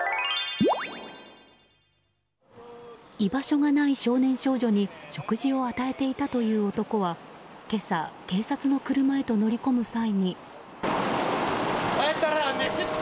居場所がない少年少女に食事を与えていたという男は今朝、警察の車へと乗り込む際に。